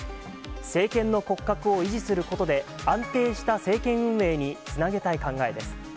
政権の骨格を維持することで、安定した政権運営につなげたい考えです。